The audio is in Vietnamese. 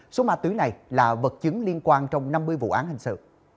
số ma túy này là vật chứng liên quan trong năm mươi vụ án hình sự